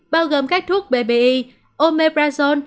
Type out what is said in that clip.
bao gồm các thuốc bbi omeprazone